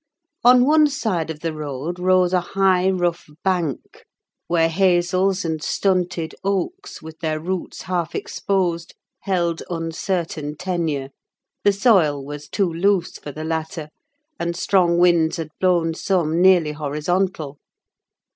On one side of the road rose a high, rough bank, where hazels and stunted oaks, with their roots half exposed, held uncertain tenure: the soil was too loose for the latter; and strong winds had blown some nearly horizontal.